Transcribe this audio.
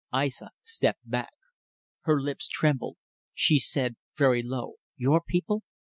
Aissa stepped back. Her lips trembled. She said very low: "Your people?"